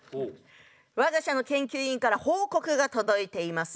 我が社の研究員から報告が届いています。